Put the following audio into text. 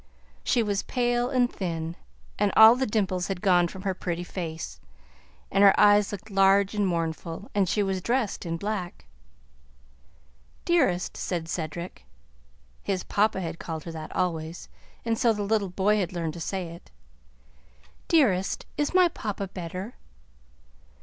She was pale and thin, and all the dimples had gone from her pretty face, and her eyes looked large and mournful, and she was dressed in black. "Dearest," said Cedric (his papa had called her that always, and so the little boy had learned to say it), "dearest, is my papa better?"